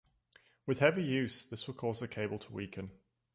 With heavy use, this will cause the cable to weaken.